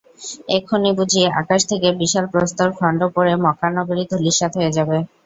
এক্ষুণি বুঝি আকাশ থেকে বিশাল প্রস্তর খণ্ড পড়ে মক্কানগরী ধূলিস্মাৎ হয়ে যাবে।